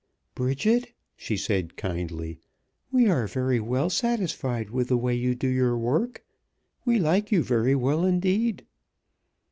"Bridget," she said, kindly, "we are very well satisfied with the way you do your work. We like you very well indeed."